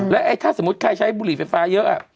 แล้วถ้าสมมุติใครใช้บุหรี่ไฟฟ้าเยอะ